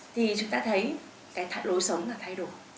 thì chúng ta thấy cái lối sống là thay đổi